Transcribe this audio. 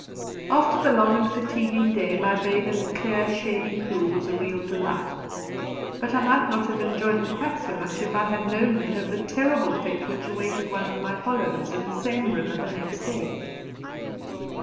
After the long and fatiguing day my bathe in a clear shady pool was a real delight, but I might not have enjoyed it quite so much if I had known then of the terrible fate which awaited one of my followers in the same river the next day.